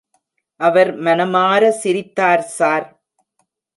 அவர் மனமார சிரித்தார், சார்.